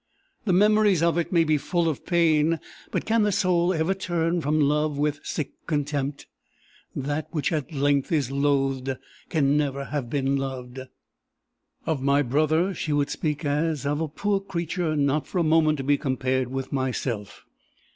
The memories of it may be full of pain, but can the soul ever turn from love with sick contempt? That which at length is loathed, can never have been loved! "Of my brother she would speak as of a poor creature not for a moment to be compared with myself.